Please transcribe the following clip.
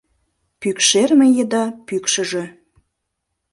Пӱкшерме еда пӱкшыжӧ